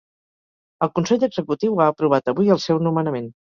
El consell executiu ha aprovat avui el seu nomenament.